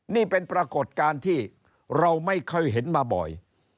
นี่เป็นปรากฏการณ์ที่เราไม่เคยเห็นมาบ่อย